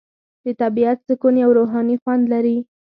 د طبیعت سکون یو روحاني خوند لري.